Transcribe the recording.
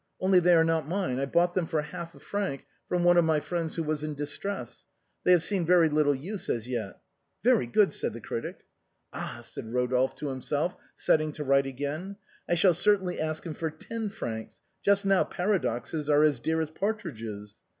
Only they are not mine, I bought them for half a franc from one of my friends who was in dis , tress. They have seen very little use as yet." " Very good," said the critic. "Ah !" said Eodolphe to himself, setting to write again. " I shall certainly ask him for ten francs, Just now para doxes are as dear as partridges."